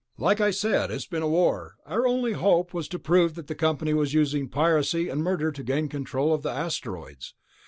"Like I said, it's been a war. Our only hope was to prove that the company was using piracy and murder to gain control of the asteroids.